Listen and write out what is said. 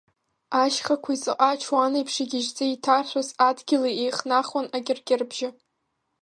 Ашьхақәеи ҵаҟа ачуанеиԥш игьежьӡа иҭаршәыз адгьыли еихнахуан акьыркьырыбжьы.